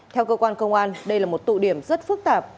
theo cơ quan công an đây là một tụ điểm rất phức tạp